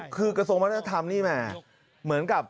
คือกระทรวงวัฒนธรรมนี่แหมเหมือนกับ